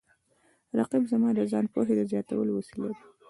رقیب زما د ځان پوهې د زیاتولو وسیله ده